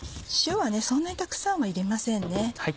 塩はそんなにたくさんはいりませんね。